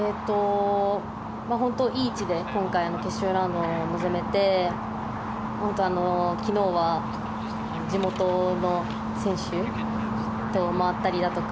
いい位置で今回の決勝ラウンドに臨めて昨日は地元の選手と回ったりだとか